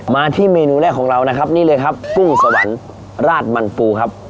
มาที่เมนูแรกของเรานะครับนี่เลยครับกุ้งสวรรค์ราดมันฟูครับ